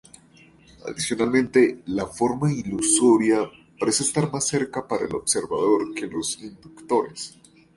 Adicionalmente, la forma ilusoria parece estar más cerca para el observador que los inductores.